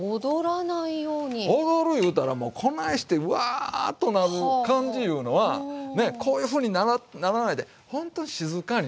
踊るいうたらもうこないしてウワーッとなる感じいうのはねこういうふうにならないでほんと静かにね